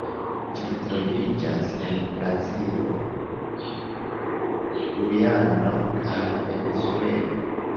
Ĝi troviĝas en Brazilo, Gujano kaj Venezuelo.